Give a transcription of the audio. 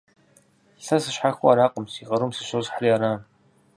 Сэ сыщхьэхыу аракъым, си къарум сыщосхьри аращ.